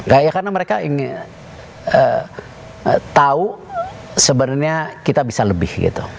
karena mereka tahu sebenarnya kita bisa lebih